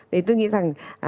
thì tôi nghĩ rằng